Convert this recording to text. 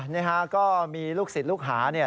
นี่ฮะก็มีลูกศิษย์ลูกหาเนี่ย